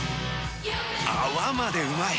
泡までうまい！